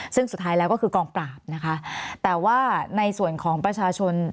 ซึ่งสุดท้ายแล้วก็คือกองปราบนะคะแต่ว่าในส่วนของประชาชน